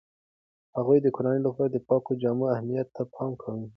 هغې د کورنۍ لپاره د پاکو جامو اهمیت ته پام کوي.